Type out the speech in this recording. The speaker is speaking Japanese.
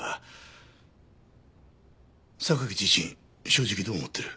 榊自身正直どう思ってる？